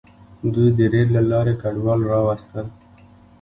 دوی د ریل له لارې کډوال راوستل.